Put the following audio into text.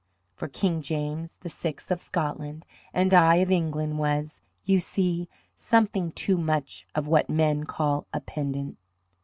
'" For King James VI of Scotland and I of England was, you see, something too much of what men call a pendant.